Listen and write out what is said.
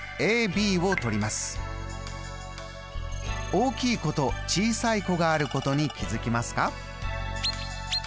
大きい弧と小さい弧があることに気付きますか？